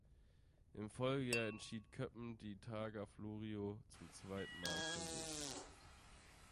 Im Folgejahr entschied Köppen die Targa Florio zum zweiten Mal für sich.